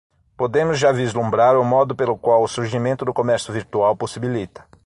Podemos já vislumbrar o modo pelo qual o surgimento do comércio virtual possibilita